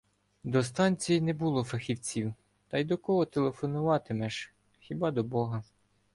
До станції не було фахівців, та й до кого телефонуватимеш — хіба до Бога.